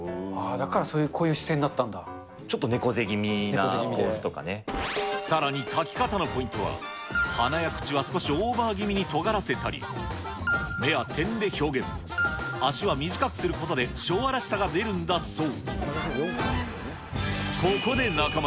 だからこういう姿勢になったちょっと猫背気味なポーズとさらに、描き方のポイントは、鼻や口は少しオーバー気味にとがらせたり、目は点で表現、足は短くすることで昭和らしさが出るんだそう。